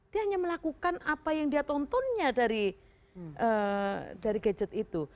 dia hanya melakukan apa yang dia tontonnya dari gadget itu